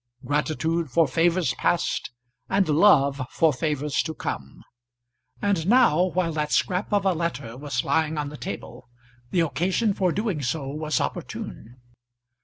Gratitude for favours past and love for favours to come; and now, while that scrap of a letter was lying on the table, the occasion for doing so was opportune.